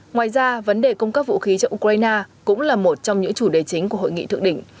ngoài ra vấn đề cung cấp vũ khí cho ukraine cũng là một trong những chủ đề chính của hội nghị thượng đỉnh